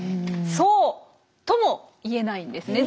そうとも言えないんですね。